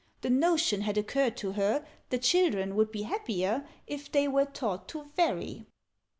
The notion had occurred to her, The children would be happier, If they were taught to vary.